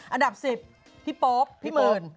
อันดับ๑๐พี่โป๊ปพี่หมื่น